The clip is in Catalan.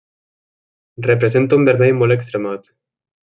Representa un vermell molt extremat.